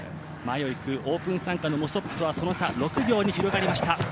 前をいくオープン参加のモソップとは、その差６秒に広がりました。